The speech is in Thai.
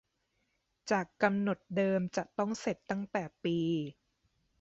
จากกำหนดเดิมจะต้องเสร็จตั้งแต่ปี